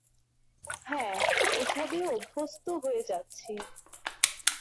হ্যাঁ, এসবে অভ্যস্ত হয়ে যাচ্ছি।